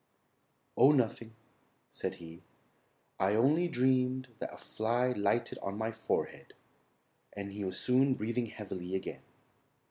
"Oh, nothing," said he; "I only dreamed that a fly lighted on my forehead," and he was soon breathing heavily again.